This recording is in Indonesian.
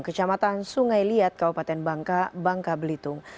kecamatan sungai liat kabupaten bangka bangka belitung